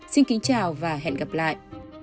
xin kính chào và hẹn gặp lại